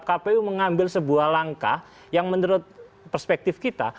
kpu mengambil sebuah langkah yang menurut perspektif kita